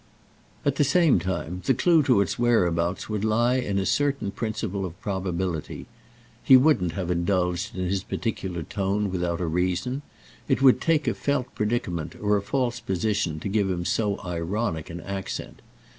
At the same time the clue to its whereabouts would lie in a certain principle of probability: he wouldn't have indulged in his peculiar tone without a reason; it would take a felt predicament or a false position to give him so ironic an accent.